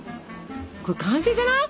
これ完成じゃない？